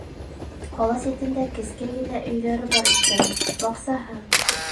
Ҡала ситендә кескәй генә өйҙәре бар икән, баҡсаһы.